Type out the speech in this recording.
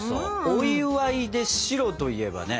お祝いで白といえばね